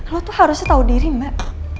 lo tuh harusnya tahu diri mbak